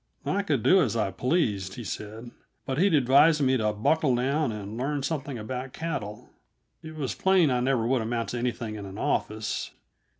I could do as I pleased, he said, but he'd advise me to buckle down and learn something about cattle. It was plain I never would amount to anything in an office.